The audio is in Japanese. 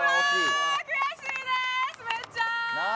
悔しいです、めっちゃ。